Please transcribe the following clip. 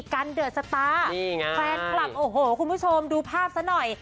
กันเดือดสตาร์นี่ไงแฟนคลับโอ้โหคุณผู้ชมดูภาพซะหน่อย